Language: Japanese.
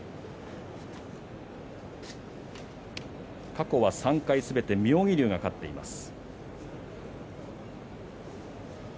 過去は３回すべて妙義龍が勝っています。